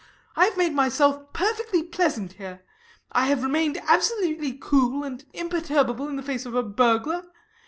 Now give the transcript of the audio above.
I have made myself perfectly pleasant here. I have remained absolutely cool and imperturbable in the face of a burglar.